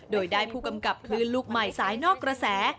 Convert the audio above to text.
โดยได้ผู้กำกับคลื่นลูกใหม่สายนอกกระแส